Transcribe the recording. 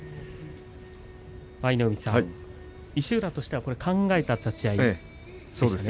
舞の海さん、石浦とすれば考えた立ち合いですか。